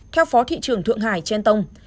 theo phó thị trưởng thượng hải trên tông